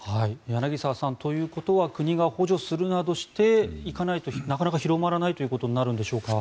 柳澤さん、ということは国が補助するなどしていかないとなかなか広まらないということになるんでしょうか。